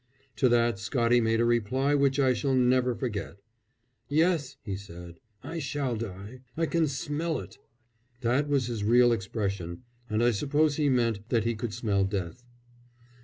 To that Scottie made a reply which I shall never forget. "Yes," he said. "I shall die! I can smell ut!" That was his real expression, and I suppose he meant that he could smell death.